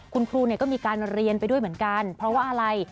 คุณครูก็มีการเรียนไปด้วยเหมือนกันเพราะว่าอะไร